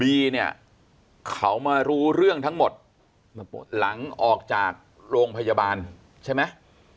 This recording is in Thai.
เนี่ยเขามารู้เรื่องทั้งหมดหลังออกจากโรงพยาบาลใช่ไหม